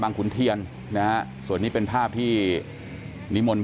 ลำนึงท่ามงานในฐานสี่สี่สามที่นี่ก็ครับ